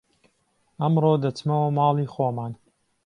ئەمڕۆ دەچمەوە ماڵی خۆمان